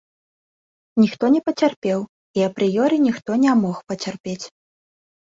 Ніхто не пацярпеў, і апрыёры ніхто не мог пацярпець.